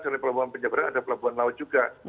selain pelabuhan penyebrang ada pelabuhan laut juga